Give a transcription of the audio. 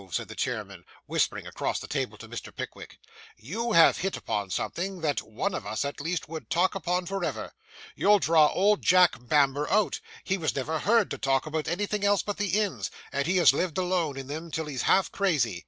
said the chairman, whispering across the table to Mr. Pickwick, 'you have hit upon something that one of us, at least, would talk upon for ever. You'll draw old Jack Bamber out; he was never heard to talk about anything else but the inns, and he has lived alone in them till he's half crazy.